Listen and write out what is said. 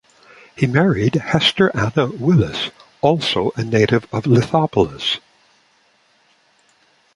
He married Hester Anna Willis, also a native of Lithopolis.